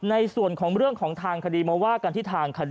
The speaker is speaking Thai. ในส่วนของเรื่องของทางคดีมาว่ากันที่ทางคดี